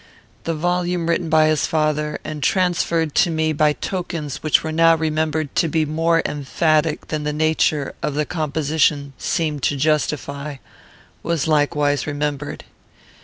The volume written by his father, and transferred to me by tokens which were now remembered to be more emphatic than the nature of the composition seemed to justify, was likewise remembered.